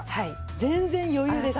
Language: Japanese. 全然余裕です。